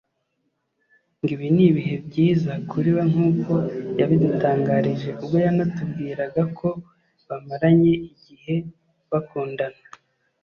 ngo ibi ni ibihe byiza kuri we nk’uko yabidutangarije ubwo yanatubwiraga ko bamaranye igihe bakundana